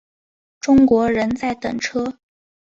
中国人在等车